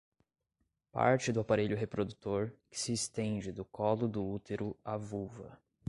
parte do aparelho reprodutor, que se estende do colo do útero à vulva